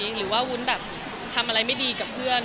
หรือว่าวุ้นแบบทำอะไรไม่ดีกับเพื่อน